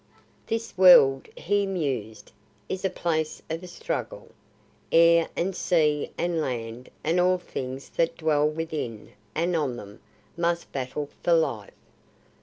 "This world," he mused, "is a place of struggle. Air and sea and land and all things that dwell within and on them must battle for life.